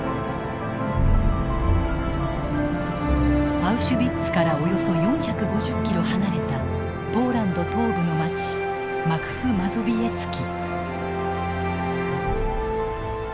アウシュビッツからおよそ４５０キロ離れたポーランド東部の町マクフ・マゾビエツキ。